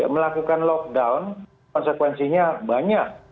melakukan lockdown konsekuensinya banyak